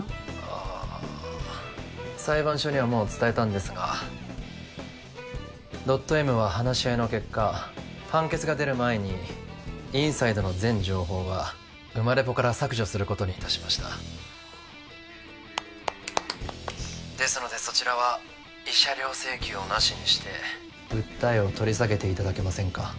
☎あ裁判所にはもう伝えたんですがドットＭは話し合いの結果判決が出る前にｉｎｓｉｄｅの全情報はウマレポから削除することにいたしました☎ですのでそちらは慰謝料請求をなしにして訴えを取り下げていただけませんか？